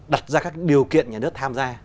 đặt ra các điều kiện nhà nước tham gia